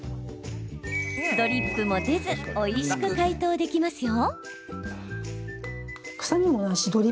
ドリップも出ずおいしく解凍できますよ。